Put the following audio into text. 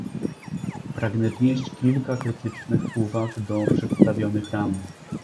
Pragnę wnieść kilka krytycznych uwag do przedstawionych ram